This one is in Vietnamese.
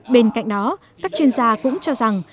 bên cạnh đó các chuyên gia cũng cho rằng